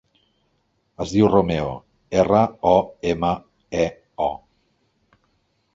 Es diu Romeo: erra, o, ema, e, o.